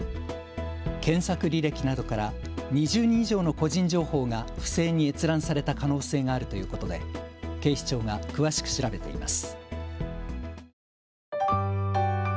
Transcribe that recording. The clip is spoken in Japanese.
検索履歴などから２０人以上の個人情報が不正に閲覧された可能性があるということで警視庁が詳しく調べています。